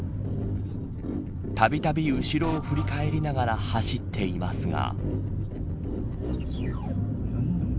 たびたび後ろを振り返りながら走っていますが。